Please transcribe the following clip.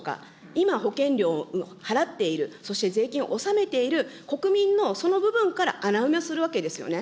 今、保険料払っている、そして税金を納めている国民のその部分から穴埋めするわけですよね。